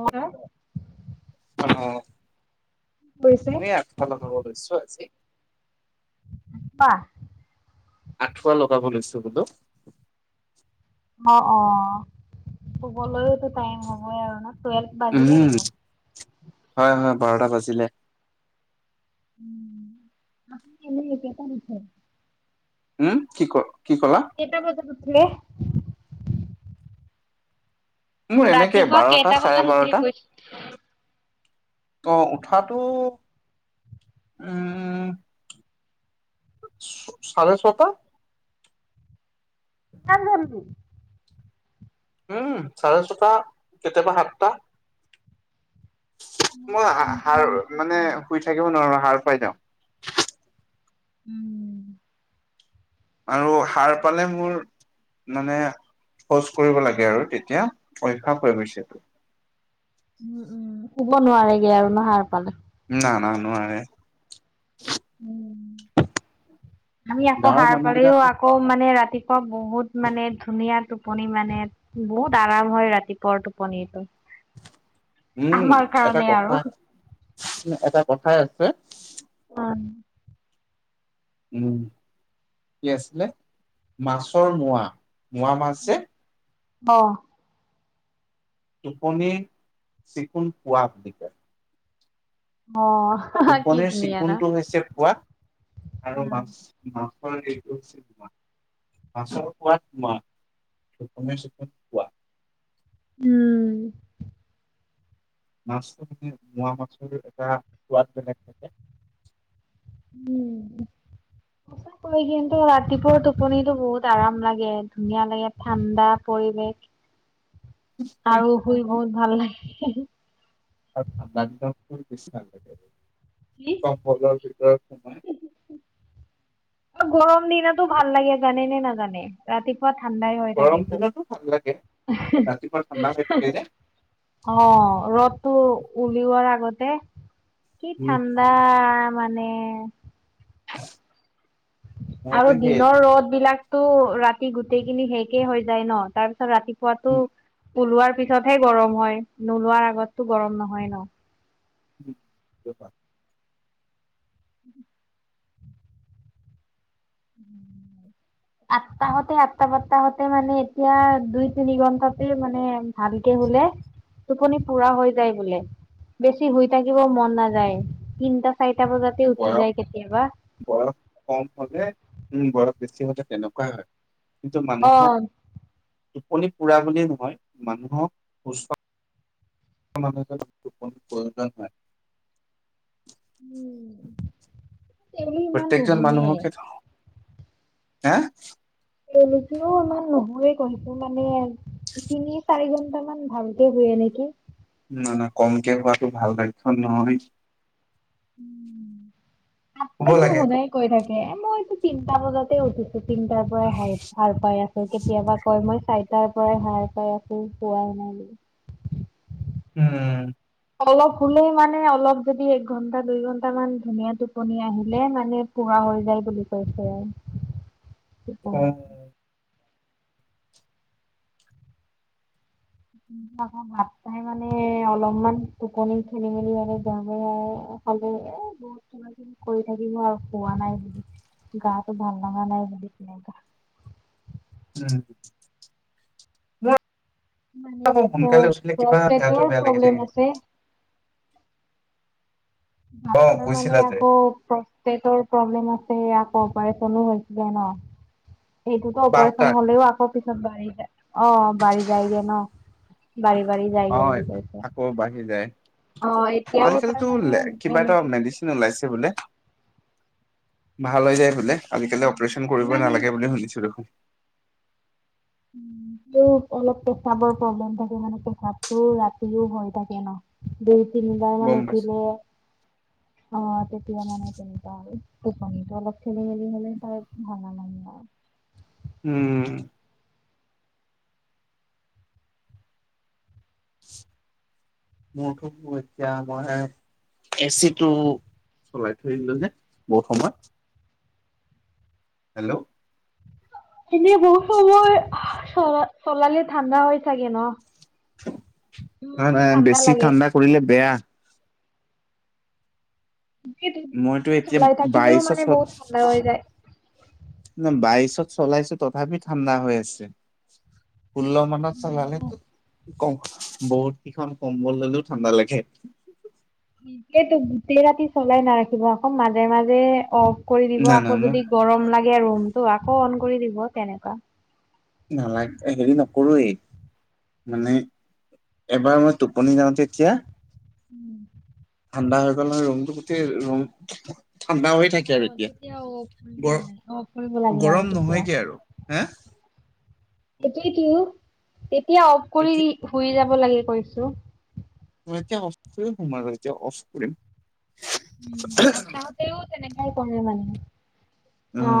হয় অ'। অ' অ'। মইয়ো আঠুৱা লগাব লৈছোঁ আজি। বাহঃ! আঁঠুৱা লগাব লৈছো বোলো। অ' অ'। শুবলৈওটো টাইম হ'বই আৰু ন? টুৱেলভ বাজিলে উম্, দেখোন হয় হয় বাৰটা বাজিলে। উম', [unintelligible] কেইতাৰিখে। উম কি ক, কি ক'লা? কেইটা বজাত উঠিলে? মোৰ এনেকে ৰাতিপুৱা বাৰটা কেইটা চাৰে বজাত উঠে বাৰটা কৈছ? অ' উঠাটো উম্, ছাৰে ছটা কাম ধৰছো উম্ চাৰে ছটা কেতিয়াবা সাতটা মইয়ো মই তেনেকুৱা মানতে উঠো মানে আও শুই থাকিব নোৱাৰো সা়ৰ পাই যওঁ। [inaudible] উম। আৰু সাৰ পালে মোৰ মানে শৌচ কৰিব লাগে আৰু তেতিয়া, অভক্ষা হৈ গৈছে। উম উম, শুব নোৱাৰেগে আৰু ন সাৰ পালে? না না নোৱাৰে। উম, আমি আকৌ গাঁৱৰ সাৰ মানুহ বিলাক পালেও আকৌ আকৌ মানে ৰাতিপুৱা বহুত মানে ধুনীয়া টোপনি মানে বহুত আৰাম হয় ৰাতিপুৱা টোপনিটো। উম, আমাৰ এটা কাৰণে আৰু কথা এটা কথাই আছে উম। উম কি আছিলে মাছৰ মোৱা মোৱা মাছ যে অঁ। টোপনি চিকুণ পোৱা বুলি কয়। অঁ। টোপনিৰ চিকুণটো হৈছে খোৱা আৰু উম মাছ। ম এই [unintelligible] আচ ত চ [unintelligible] [unintelligible] উম। মাছটো মানে মোৱা মাছৰ এটা সোৱাদ বেলেগ থাকে। উম। [inaudible] সঁচাকৈ কিন্তু ৰাতিপুৱাৰ টোপনিতো বহুত আৰাম লাগে ধুনীয়া লাগে ঠাণ্ডা পৰিৱেশ। [inaudible] আৰু শুই বহুত ভাল লাগে। আ ন দ [unintelligible] কি? কম্বলৰ ভিতৰত সোমাই। গৰম দিনতো ভাল লাগে জানে নে নাজানে ৰাতিপুৱ। পোৱা ঠাণ্ডাই হৈ গৰম থাকেটো। দিনতো ভাল লাগে ৰাতিপুৱা ঠাণ্ডা হৈ থাকে যে অ' ৰদতটো উলিওৱাৰ আগতে কি উম ঠাণ্ডা মানে মইতো আৰু সেই দিনৰ ৰ'দ বিলাকতো ৰাতি গোটেইখিনি শেষেই হৈ যায় ন তাৰপিছত ৰাতি উম ওলোৱাৰ পিছতহে গৰম হয় নোলোৱাৰ আগতো গৰম নহয় ন। [unintelligible] উম [inaudible] [inaudible] আঠটাহতে আঠটা বত্তাহতে মানে এতিয়া দুই তিনি ঘন্টাতে মানে ভালকে শুলে টোপনি পুৰা হৈ যায় বোলে। বেছি শুই থাকিব মন নাযায়, তিনটা- চাৰিটা বজাতে উঠি বয়স যায় কেতিয়াবা। বয়স কম হ'লে, উম বয়স বেছি হ'লে তেনেকুৱাই হয় কিন্তু মানুহক অ', টোিপী পুৰা বুলিুলিয় নহয় মানুহক সুস্থ [inaudible] মানুহজনৰ প্ৰয়োজন হয়। উম, তেওঁলোক ইমান প্ৰত্যেকজন নুশুৱে মানুহকে, হা? তেনেকৈ ইমান নহয় কমকে মানে তিনি চাৰি ঘন্টা মান ভালকে শুয়ে নেকি। না না কমকে শুৱাটো ভাল লক্ষণ নহয় শুব থাকেটো লাগে সদায় কৈ থাকে এ মই তিনটা বজাতে উঠিছো তিনটাৰ পৰা সাৰ পাই আছোঁ কেতিয়াবা কয় মই চাৰিটাৰ পৰাই হাৰ পাই আছোঁ শুৱাই নাই বুলি উম অলপ শুলো মানে অলপ যদি এক ঘন্টা দুই ঘন্টা মান ধুনীয়া টোপনি আহিলে মানে শুৱা হৈ যায় বুলি কৈছে আৰু [inaudible] কি কম অ উম উম ভাত খাই মানে অলপমান টোপনি খেলি মেলি হ'লে যামেই আৰু খালো এই বহুত কিবা কিবি কৰি থাকিব আৰু শুৱা নাই বুলি গাটো ভাল লগা নাই বুলি উম মানে আকৌ সোনকালে উঠিলে কিবা গাটো প্ৰষ্টেটৰ বেয়া লাগি প্ৰব্লেম থাকে আছে ভাত অ হয় মানে কৈছিলা যে আকৌ পেটৰ প্ৰব্লেম আছে আকৌ অপাৰচনো হৈছিলে ন সেইটো অপাৰেচন বাৰটাত হ'লেও আকৌ পিছত বাঢ়ি যায় অ বাঢ়ি যায়গে ন বাঢ়ি বাঢ়ি অ যাইগে বুলি কৈছে আকৌ বাঢ়ি যায় অ এতিয়াও তাৰ আজিকালিতো মানে কিবা এটা মেডিচেন ওলাইছে বোলে ভাল হৈ যায় বোলে আজিকালি অপাৰচন কৰিবই নালাগে বুলি শুনিছোঁ দেখোন অলপ পেচাবৰ প্ৰব্লেম থাকে মানে পেচাবটো ৰাতিও হৈ থাকে ন দুই তিনিবাৰ মান গম পাইছো উঠিলে অ তেতিয়া মানে তেনেকুৱা আৰু টোপনিটো অলপ খেলি মেলি হ' লে ত ভাল নালাগে আৰু উম মোৰ আক পঠিয়াব হে এ চি টো চলাই থৈ আহিলো যে বহুত সময় হেল্ল' এনে বহুত সময় চল চলালে ঠাণ্ডা হৈ থাকে ন নহয় নহয় বেছি ঠাণ্ডা কৰিলে বেয়া মইতো এতিয়া বাইচত বাইশত চলাইছো তথাপি ঠাণ্ডা হৈ আছে ষোল্ল মানত চলালেতো কম বহুত কিখন কম্বল ল'লেও ঠাণ্ডা লাগে তাকেতো গোটেই ৰাতি চলাই নাৰাখিব আকৌ মাজে মাজে অফ কৰি দিব নাই নাই আকৌ মোক যদি গৰম লাগে ৰুমটো আকৌ অন কৰি দিব তেনেকুৱা নালাগে হেৰি নকৰোঁৱেই মানে এবাৰ মই টোপনি যাওঁ তেতিয়া [inaudible] ঠাণ্ডা হৈ গ'লে ৰুমটো গোটেই ৰুম ঠাণ্ডা হৈ থাকে অ আৰু এতিয়া তেতিয়া অ গৰম নালাগে অফ কৰিব লাগে আৰু গৰম তেতিয়া নহয়গে আৰু হা সেইটোয়েতো তেতিয়া অফ এতিয়া কৰি শুই যাব লাগে কৈছোঁ অ এতিয়া অফ কৰিম শুম আৰু এতিয়া অফ কৰিম তেওঁ তেনেকুৱাই কৰে মানে অ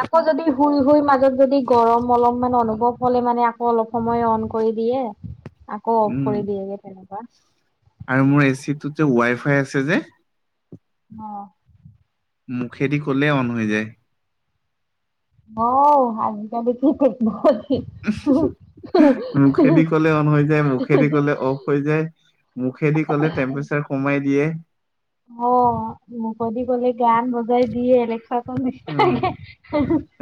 আকৌ যদি শুই শুই মাজ যদি গৰম অলপমান অনুভৱ হ'লে মানে আকৌ অলপ সময় অন কৰি দিয়ে আকৌ অফ উম কৰি দিয়েগে তেনেকুৱা আৰু মোৰ এচি টোত যে ৱাই ফাই আছে যে অ মুখেদি ক'লে অন হৈ যায়। অ আজিকালি কি কৰিব মুখেদি ক'লে অন হৈ যায় মুখেদি ক'লে অফ হৈ যায়। মুখেদি ক'লে টেম্পৰেচাৰ কমাই দিয়ে। অ, মুখেধি কলে গান বজাই দিয়ে এলেকসানিচাকে।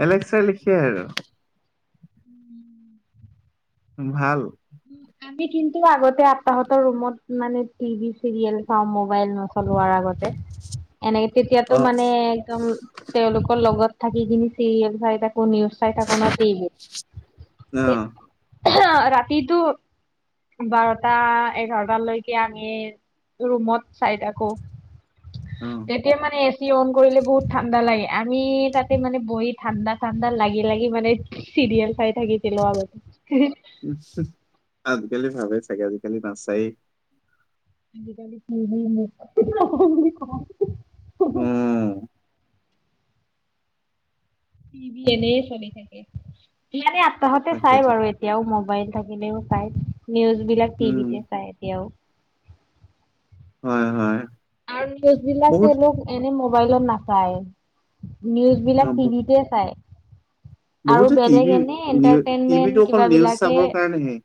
এলেক্সা লিখিয়ায়ে আৰু। ভাল। আমি কিন্তু আগতে আতাহতৰ ৰুমত মানে টিভি, চিৰিয়েল চাও মবাইল ন চলোৱাৰ আগতে এনেকে তেতিয়াতো অ মানে একদম তেওঁলোকৰ লগত থাকি কিনি চিৰিয়েল চাই থাকো, নিউজ চাই থাকো তিভি অ তেই ৰাতিটো বাৰটা, এঘাৰটালৈকে আমি ৰুমত চাই থাকো। হুম। তেতিয়া মানে এ চি অন কৰিলে বহুত ঠাণ্ডা লাগে আমি তাতে মানে বহি ঠাণ্ডা, ঠাণ্ডা লাগি, লাগি মানে চিৰিয়েল চাই থাকিছিলোঁ আগতে। আজিকালি ভালেই চাগে আজিকালি নাচায়। হম হম উম। টিভি এনেই চলি থাকে, এনে আপ্তাহতে চাই তাকেইতো বাৰু। এতিয়াও মোবাইল থাকিলেও চাই, নিউজ বিলাক উম টিভিতে চাই এতিয়াও। হয়, হয়। আৰু নিউজ বিলাক বহুত তেওঁলোক এনে মবাইলত নাপায় নিজ বিলাক টিভিতে চাই। আৰু বহুতে বেলেগ টিভি এনে নিউ টিভিটো এণ্টাৰটেইনমেন্ট অকল কিবা নিউজ বিলাকে চাবৰ কাৰণেহে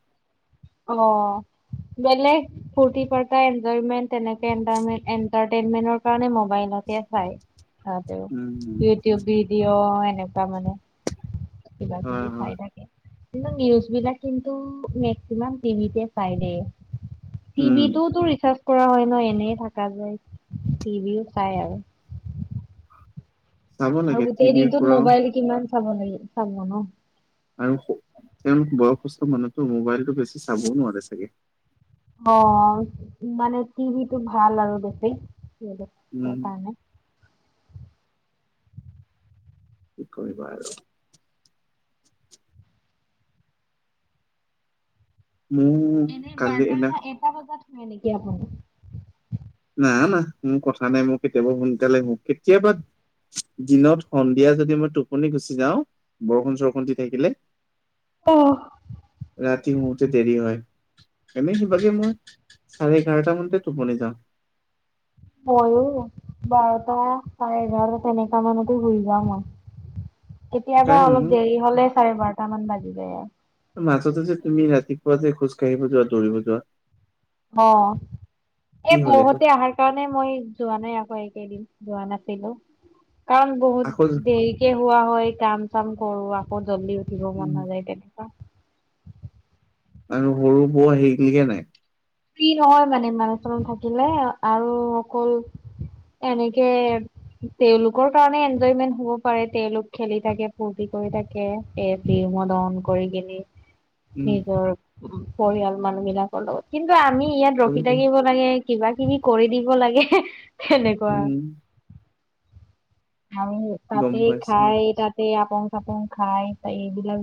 অ, বেলেগ ফুৰ্তি, ফাৰ্তা এনজয়মেন্ট তেনেকে এনটাৰমেট এণ্টাৰটেইনমেন্টৰ কাৰণে, মবাইলতে চাই তাহতেও। উম ট, ভিডিঅ এনেকুৱা মানে কিবা, হয়, কিবি হয়, চাই থাকে। কিন্তু নিউজ বিলাক কিন্তু মেক্সিমাম টিভিতে চাই দে। উম, টিভিতটোওতো ৰিচাৰ্জ কৰা হয়, ন এনে থকা যায় টিভিও চাই আৰু। চাব আৰু লাগে গোটেই টিভিৰ দিনটোত পৰাও মোবাইল কিমান চাব লাগ, চাব ন। আৰু তেওঁলোক বয়সস্থ মানুহটো মোবাইলতটো বেছি চাবও নোৱাৰে চাগে। অ, মানে টিভি টো ভাল আৰু বেছেই উম, কাৰণে। কি কৰিবা আৰু। উম। এনে বাৰটা, এটা বজাত শুৱে নেকি আপুনি নাই, না মোৰ কথা নাই, মোৰ কেতিয়াবা সোনকালে শু কেতিয়াবা দিনত সন্ধিয়া যদি মই টোপনি গুচি যাওঁ বৰষুণ, চৰষুণ দি থাকিলে। অ'। ৰাতি শোওঁতে দেৰি হয়, এনেই সেইভাগে মই চাৰে এঘাৰটা মানতে টোপনি যাওঁ। ময়ো বাৰটা, চাৰে এঘাৰটা তেনেকা মানতো শুই যাও মই। [inaudible] কেতিয়াবা অলপ সেইকাৰণে দেৰি হলে চাৰে বাৰটা মান বাজি যায়। মাজতে যে তুমি ৰাতিপুৱা যে খোজ কাঢ়িব যোৱা, দৌৰিব যোৱা। অ, কি এ হ'ল এইটো বৌহতে আহাৰ কাৰণে মই যোৱা নাই আকৌ এইকেইদিন যোৱা নাছিলো কাৰণ আকৌ বহুত দেৰি কে হোৱা হয়, কাম, চাম কৰো আকৌ জল্দি উঠিব মন উম, নাযায় তে আৰু সৰু বৌ হেৰিলিকে নাই। ফ্ৰী নহয় মানে মানুহ চানুহ থাকিলে আৰু অকল এনেকে তেওঁলোকৰ কাৰণে এনজয়মেন্ট হব পাৰে, তেওঁওলোক খেলি থাকে, ফূৰ্তি কৰি থাকে। এ, ফি মদন কৰি কেনি। [inaudible] নিজৰ পৰিয়াল মানুহ বিলাকৰ লগত কিন্তু আমি ইয়াত ৰখি কৰিবই থাকিব লাগে। কিবা কিবি কৰি দিব লাগেহ তেনেকুৱা উম আৰু গম তাতে পাইছো খাই তাতে আপং চাপং খায় তাই এইবিলাক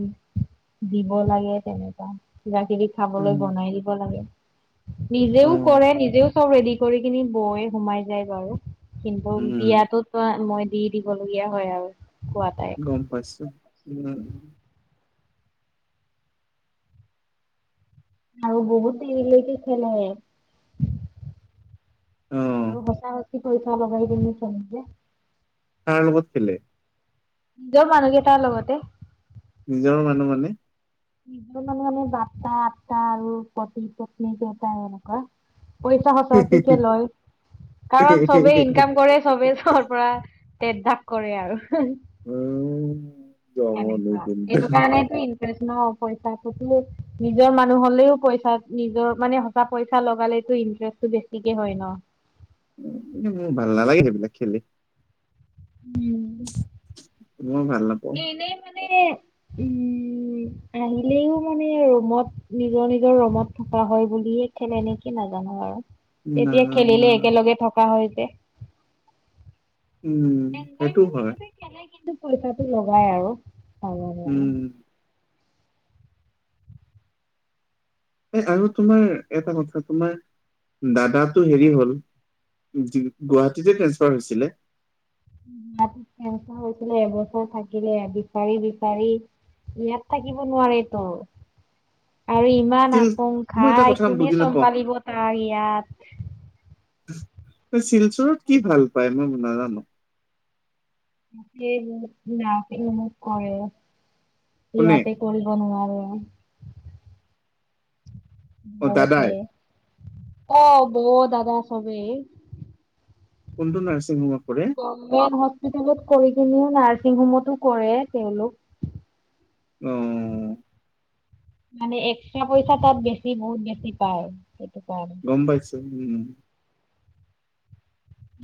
দিব লাগে তেনেকুৱা কিবা কিবি খাবলৈ উম বনাই দিব লাগে নিজেও অ কৰে নিজেও চব ৰেডি কৰি কেনি বৌৱে সোমাই যায় বাৰু কিন্তু উম দিয়াতটো মই দি দিব লগীয়া হয় আৰু খোৱা তাই গম পাইছো উম আৰু বহুত দেৰিলৈকে খেলে অ আৰু সচাঁ সেই পইচা লগাই কেনি খেলে যে কাৰ লগত খেলে নিজৰ মানুহ কেইতাৰ লগতে নিজৰ মানুহ মানে [unintelligible] মানুহ আমি [unintelligible] আৰু পতি পত্নী দেউতা এনেকুৱা পইচা সচাঁ সচি কে লয় কাৰণ চবেই ইনকাম কৰে চবেই চবৰ পৰা তেত ভাগ কৰে আৰু উম জমনি এনেকুৱা কিন্তু এইটো কাৰণেটো ইন টেট ন পইচা প্ৰতি নিজৰ মানুহ হ'লেও পইচা নিজৰ মানে বা পইচা লগালেটো ইনতেৰেষ্টটো বেছিকে হয় ন উম মোৰ ভাল নালাগে সেইবিলাক খেলি উম মই ভাল নাপাওঁ এ এনেই মানে উম উম আহিলেও মানে ৰুমত নিজৰ নিজৰ ৰুমত থকা হয় বুলিয়ে খেলে নেকি নাজানো আৰু না তেতিয়া না। খেলিলে একেলগে থকা হয় যে উম সেইটো অনভাইমেন হয় হিচাপে কেনেকে নো পইচাটো লগাই আৰু নাজানো আৰু উম এই আৰু তোমাৰ এটা কথা তোমাৰ দাদাটো হেৰি হ'ল যি গুৱাহাটীতে ট্ৰেন্সফাৰ হৈছিলে গুৱাহাটীত ট্ৰেন্সফাৰ হৈছিলে এবছৰ থাকিলে বিচাৰি বিচাৰি ইয়াত থাকিব নোৱাৰে ত আৰু ই মান ষ্টিল আপং মই এটা খাই কথা কোনে বুজি নাপাওঁ চম্ভালিব তাই ইয়াত এ শিলচৰত কি ভাল পাই মই নাজানো [unintelligible] ই মোক কয় কোনে ইয়াতে কৰিব নোৱাৰে অ দাদাই লগতে অ বৌ দাদা চবেই কোনটো নাৰ্চিং ৰুমত? গভৰ্ণমেন্ট হস্পিতালত কিনেও নাৰ্ছিং ৰুমতো কৰে তেওঁলোক। অঁ। মানে এক্সট্ৰা পইচা তাত বেছি বহুত বেছি পায় সেইটো কাৰণে [inaudible] গম পাইছো, উম।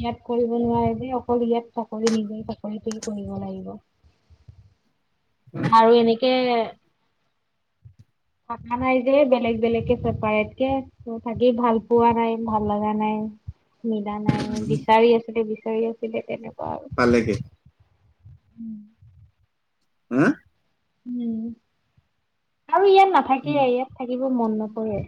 ইয়াত কৰিব নোৱাৰে যে অকল ইয়াত চাকৰি নিজৰ চাকৰিটোই কৰিব লাগিব। আৰু এনেকে [unintelligible] থকা নাই যে, বেলেগ- বেলেগকে চেপাৰেট কে। ত' থাকি ভাল পোৱা নাই ভাল লগা নাই। মিলা নাই বিচাৰি আছিলে বিচাৰি আছিলে তেনেকুৱা আৰু। ভাল লাগে [inaudible] হা? উম আৰু ইয়াত নাথাকে, উম ইয়াত থাকিব মন নকৰে।